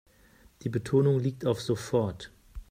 Die Betonung liegt auf sofort.